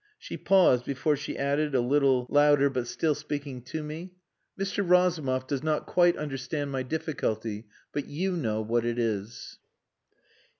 She paused before she added a little louder, but still speaking to me, "Mr. Razumov does not quite understand my difficulty, but you know what it is."